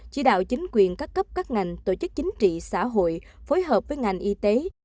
chỉ đạo chính quyền các cấp các ngành tổ chức chính trị xã hội phối hợp với ngành y tế